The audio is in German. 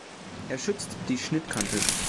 Er schützt die Schnittkante.